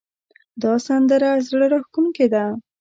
دا سندره زړه راښکونکې ده